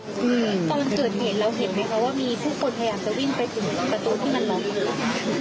ตอนเกิดเห็นเราเห็นไหมคะว่ามีทุกคนพยายามจะวิ่งไปถึงประตูที่มันลอง